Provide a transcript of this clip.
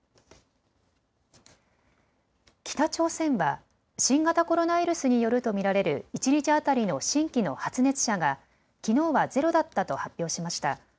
北朝鮮は新型コロナウイルスによると見られる一日当たりの新規の発熱者がきのうはゼロだったと発表しました。